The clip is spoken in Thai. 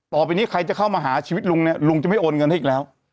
ต่อไปนี้ใครจะเข้ามาหาชีวิตลุงเนี่ยลุงจะไม่โอนเงินให้อีกแล้ว